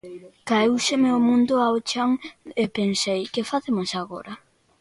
Caéuseme o mundo ao chan e pensei "que facemos agora?".